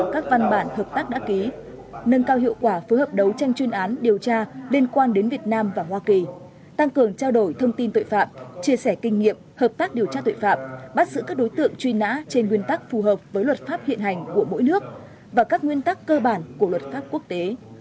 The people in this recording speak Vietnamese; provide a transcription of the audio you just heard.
các văn bản hợp tác đã ký nâng cao hiệu quả phối hợp đấu tranh chuyên án điều tra liên quan đến việt nam và hoa kỳ tăng cường trao đổi thông tin tội phạm chia sẻ kinh nghiệm hợp tác điều tra tội phạm bắt giữ các đối tượng truy nã trên nguyên tắc phù hợp với luật pháp hiện hành của mỗi nước và các nguyên tắc cơ bản của luật pháp quốc tế